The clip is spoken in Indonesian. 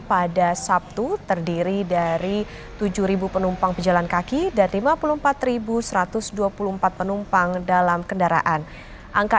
pada sabtu terdiri dari tujuh penumpang pejalan kaki dan lima puluh empat satu ratus dua puluh empat penumpang dalam kendaraan angka